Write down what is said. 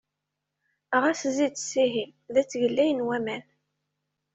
Ɣas zzi-d sihin! Da ttgellayen waman.